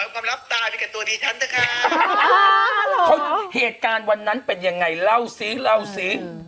เขาเกิดการณ์วันนั้นเป็นยังไงเล่าสิเล่าสิ